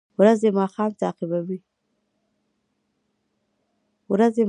ورځې ماښام تعقیبوي